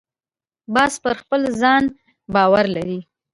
باز پر خپل ځان باور لري